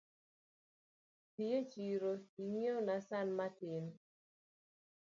Dhi e chiro ing'iewna san matin